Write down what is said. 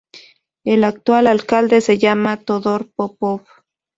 El actual alcalde se llama Todor Popov.